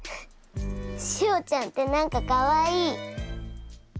しおちゃんって何かかわいい！